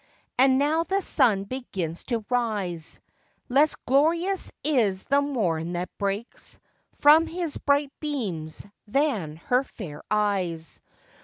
And now the sun begins to rise; Less glorious is the morn that breaks From his bright beams, than her fair eyes.